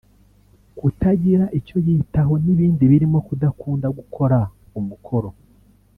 kutagira icyo yitaho n’ibindi birimo kudakunda gukora umukoro